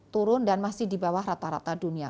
turun dan masih di bawah rata rata dunia